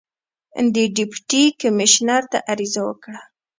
د ډیپټي کمیشنر ته عریضه وکړه.